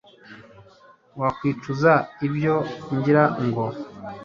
wakwicuza ibyo, ngira ngo